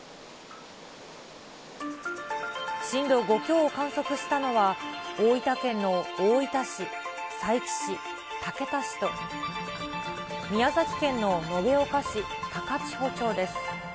震度５強を観測したのは、大分県の大分市、佐伯市、竹田市と、宮崎県の延岡市、高千穂町です。